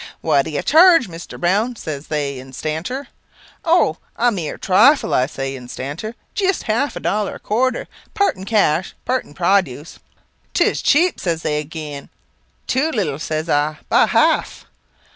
"'What do you charge, Mr. Browne?' says they, instanter. "Oh, a mere trifle, say I, instanter. Jist half a dollar a quarter part in cash, part in produce. "''Tis cheap,' says they agin. "Tew little, says I, by half.